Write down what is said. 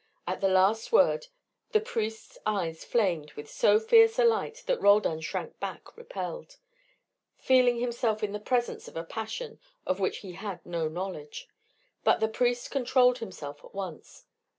At the last word the priest's eyes flamed with so fierce a light that Roldan shrank back repelled, feeling himself in the presence of a passion of which he had no knowledge. But the priest controlled himself at once.